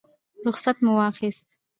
رخصت مو واخیست.